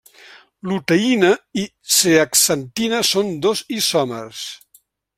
Luteïna i zeaxantina són dos isòmers.